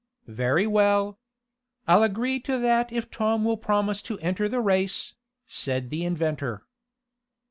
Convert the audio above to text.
"Very well. I'll agree to that if Tom will promise to enter the race," said the inventor.